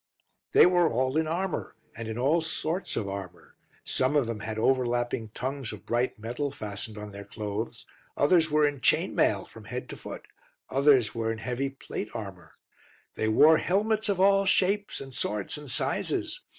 "They were all in armour, and in all sorts of armour. Some of them had overlapping tongues of bright metal fastened on their clothes, others were in chain mail from head to foot, others were in heavy plate armour. "They wore helmets of all shapes and sorts and sizes.